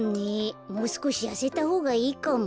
もうすこしやせたほうがいいかも。